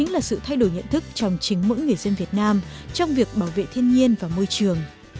là sự thay đổi nhận thức trong chính mỗi người dân việt nam trong việc bảo vệ thiên nhiên và môi trường